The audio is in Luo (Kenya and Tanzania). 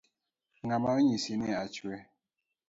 Ng’a ma onyisi ni achwe?